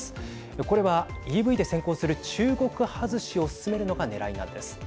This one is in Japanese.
これはＥＶで先行する中国外しを進めるのがねらいなんです。